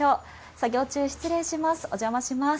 作業中失礼します。